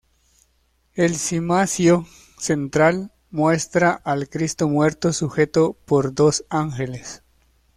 El cimacio central muestra al Cristo muerto sujeto por dos ángeles.